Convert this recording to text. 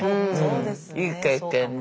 いい経験で。